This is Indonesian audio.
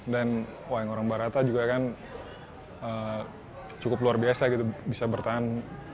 dan bayang orang barata juga kan cukup luar biasa gitu bisa bertahan